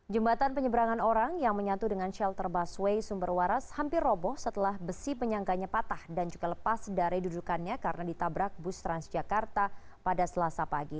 jembatan penyeberangan orang yang menyatu dengan shelter busway sumber waras hampir roboh setelah besi penyangganya patah dan juga lepas dari dudukannya karena ditabrak bus transjakarta pada selasa pagi